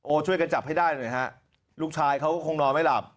ช่วยกันจับให้ได้หน่อยฮะลูกชายเขาคงนอนไม่หลับ